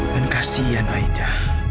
dan kasihan aida